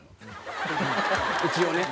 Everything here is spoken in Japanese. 一応ね。